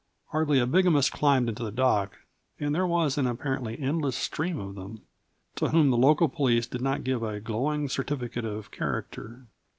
Hardly a bigamist climbed into the dock and there was an apparently endless stream of them to whom the local police did not give a glowing certificate of character.